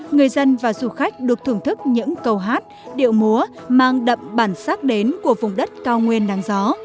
người dân và du khách được thưởng thức những câu hát điệu múa mang đậm bản sắc đến của vùng đất cao nguyên nắng gió